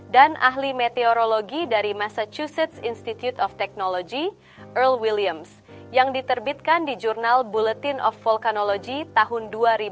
dan ahli meteorologi dari massachusetts institute of technology earl williams yang diterbitkan di jurnal bulletin of vulcanology tahun dua ribu sepuluh